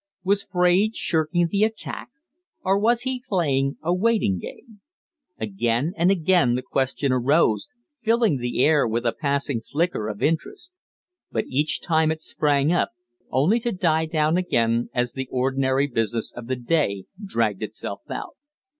Was Fraide shirking the attack? Or was he playing a waiting game? Again and again the question arose, filling the air with a passing flicker of interest; but each time it sprang up only to die down again, as the ordinary business of the day dragged itself out.